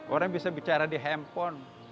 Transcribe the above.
orang bisa bicara di handphone